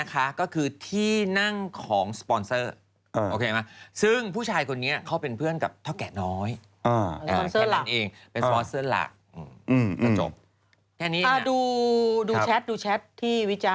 มันไซส์เปล่าววะ